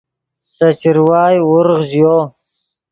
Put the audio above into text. سے چروائے ورغ ژیو